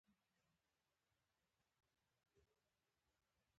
او په هر هغه کيفېټيريا کي چيرته چي مونږ توره کهوه څښله